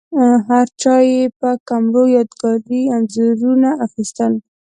هرچا یې په کمرو یادګاري انځورونه اخیستل.